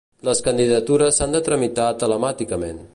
Les candidatures s'han de tramitar telemàticament.